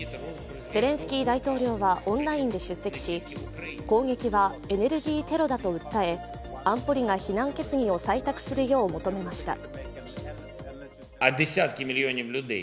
ゼレンスキー大統領はオンラインで出席し、攻撃はエネルギーテロだと訴え、安保理が非難決議を採択するよう求めました。